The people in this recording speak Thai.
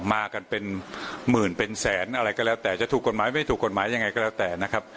มากันเป็นหมื่นเป็นแสนอะไรก็แล้วแต่จะถูกกฎหมายไม่ถูกกฎหมายยังไงก็แล้วแต่นะครับ